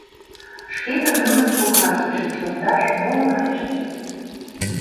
Шкетын нунын коклаште шинчылташ мо оҥайже?